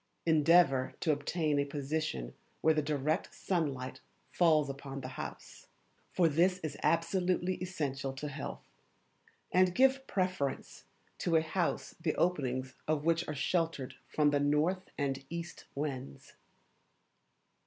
Endeavour to obtain a position where the direct sunlight falls upon the house, for this is absolutely essential to health; and give preference to a house the openings of which are sheltered from the north and east winds.